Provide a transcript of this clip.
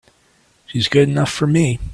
She's good enough for me!